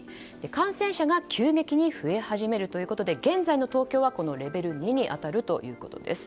感染者が急激に増え始めるということで現在の東京はレベル２に当たるということです。